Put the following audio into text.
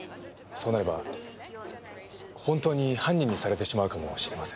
そうなれば本当に犯人にされてしまうかもしれません。